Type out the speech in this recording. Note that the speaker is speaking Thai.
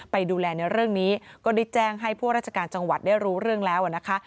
ไปดูแลในเรื่องนี้ก็ได้แจ้งให้พวกราชการจังหวัดได้รู้เรื่องแล้วนะคะ